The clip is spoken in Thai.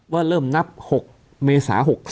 ว่าเริ่มนับ๖เมษา๖๐